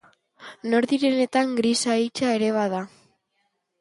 Nor direnetan grisa hitsa ere bada.